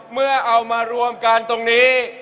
เมื่อเอามารวมกันตรงนี้